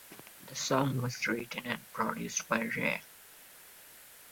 The song was written and produced by Rea.